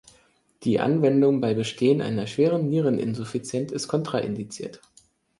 Die Anwendung bei Bestehen einer schweren Niereninsuffizienz ist kontraindiziert.